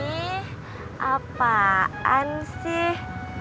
ih apaan sih